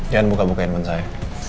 jangan buka bukain ban saya